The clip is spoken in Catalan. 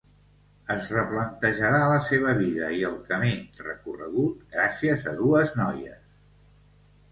Es replantejarà la seva vida i el camí recorregut gràcies a dues noies.